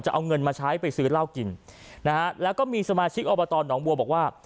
เอาเงินมาใช้ไปซื้อเหล้ากินนะฮะแล้วก็มีสมาชิกอบตหนองบัวบอกว่า